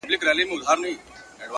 د ښکلي شمعي له انګار سره مي نه لګیږي؛